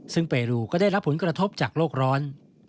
ซึ่งเปรูก็ได้รับผลกระทบจากโรคร้อน